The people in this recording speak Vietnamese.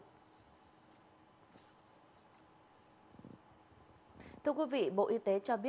may mắn ba bé không bị bỏng hô hấp